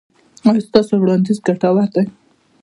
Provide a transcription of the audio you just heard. ایا ستاسو وړاندیز ګټور دی؟